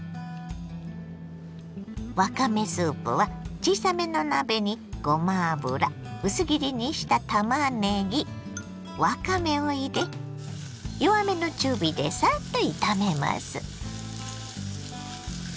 わかめスープは小さめの鍋にごま油薄切りにしたたまねぎわかめを入れ弱めの中火でサッと炒めます。